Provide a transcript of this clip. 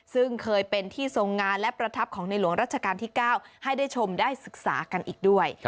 ซึ่งเคยเป็นที่ทรงงานและประทับของในหลวงรัชกาลที่๙ให้ได้ชมได้ศึกษากันอีกด้วย